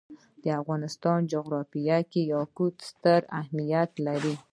د افغانستان جغرافیه کې یاقوت ستر اهمیت لري.